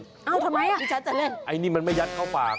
ทำไมนี่อิชันจะเล่นทำไมนี่มันไม่ยัดเข้าฝาก